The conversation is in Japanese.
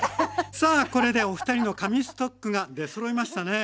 さあこれでおふたりの神ストックが出そろいましたね。